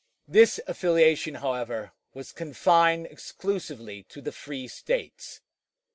This affiliation, however, was confined exclusively to the free States.